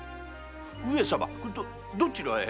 上様どちらへ？